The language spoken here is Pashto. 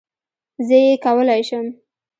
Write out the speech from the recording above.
زه یې کولای شم